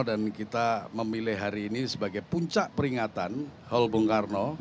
dan kita memilih hari ini sebagai puncak peringatan hal bung karno